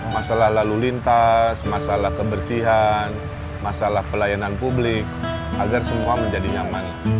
masalah lalu lintas masalah kebersihan masalah pelayanan publik agar semua menjadi nyaman